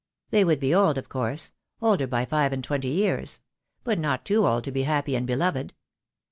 They would be old, of course, older by five and twenty years; but not too old to be happy and beloved.